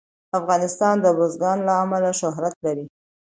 افغانستان د بزګان له امله شهرت لري.